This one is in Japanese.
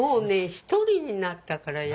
１人になったから。